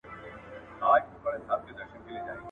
ها خوا ته يو واله ده، د ښو او بدو لار پر يوه ده.